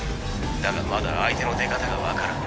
だがまだ相手の出方が分からん。